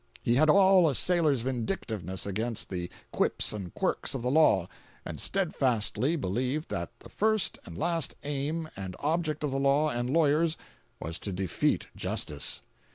He had all a sailor's vindictiveness against the quips and quirks of the law, and steadfastly believed that the first and last aim and object of the law and lawyers was to defeat justice.